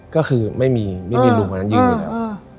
ก็คือไม่มีไม่มีลุงคนนั้นยืนอยู่แล้ว